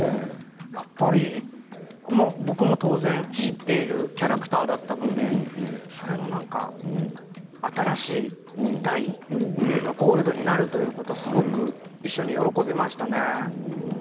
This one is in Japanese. やっぱり僕も当然知っているキャラクターだったのでそれの新しい代ゴールドになるということすごく一緒に喜びましたね。